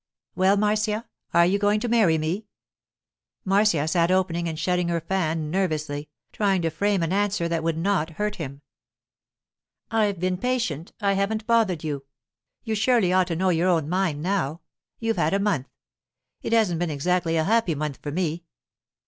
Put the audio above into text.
'Well, Marcia, are you going to marry me?' Marcia sat opening and shutting her fan nervously, trying to frame an answer that would not hurt him. 'I've been patient; I haven't bothered you. You surely ought to know your own mind now. You've had a month—it hasn't been exactly a happy month for me.